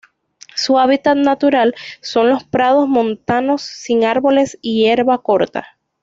Su hábitat natural son los prados montanos sin árboles y hierba corta.